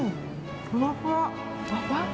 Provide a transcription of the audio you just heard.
ふわふわ？